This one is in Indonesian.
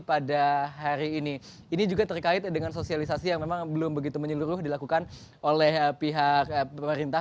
pada hari ini ini juga terkait dengan sosialisasi yang memang belum begitu menyeluruh dilakukan oleh pihak pemerintah